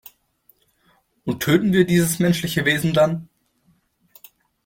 Und töten wir dieses menschliche Wesen dann?